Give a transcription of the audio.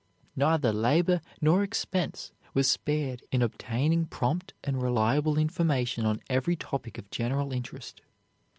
Neither labor nor expense was spared in obtaining prompt and reliable information on every topic of general interest.